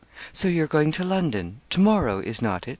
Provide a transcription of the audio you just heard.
'So you are going to London to morrow, is not it?'